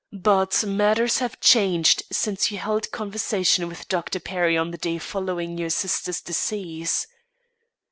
But matters have changed since you held conversation with Dr. Perry on the day following your sister's decease.